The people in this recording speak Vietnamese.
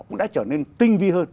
cũng đã trở nên tinh vi hơn